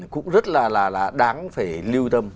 cũng rất là là đáng phải lưu tâm